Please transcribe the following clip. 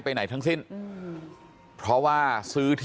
บอกแล้วบอกแล้วบอกแล้วบอกแล้ว